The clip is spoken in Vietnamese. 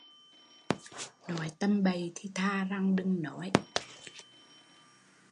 Nói tầm bậy thì thà rằng đừng nói